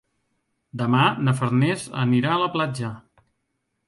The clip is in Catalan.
Demà na Farners anirà a la platja.